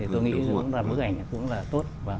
tôi nghĩ bức ảnh cũng là tốt